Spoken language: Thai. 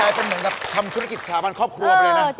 เป็นเหมือนกับทำธุรกิจสถาบันครอบครัวไปเลยนะ